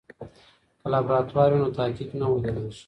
که لابراتوار وي نو تحقیق نه ودریږي.